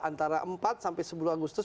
antara empat sampai sepuluh agustus